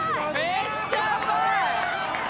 めっちゃうまい。